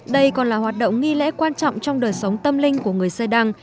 đây còn là hoạt động nghi lễ quan trọng trong đời sống tâm linh của người xê đăng